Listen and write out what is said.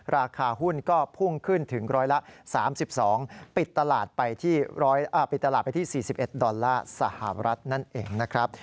ราคาหุ้นก็พุ่งขึ้นถึงร้อยละ๓๒ปิดตลาดไปปิดตลาดไปที่๔๑ดอลลาร์สหรัฐนั่นเองนะครับ